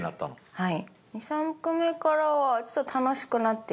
はい。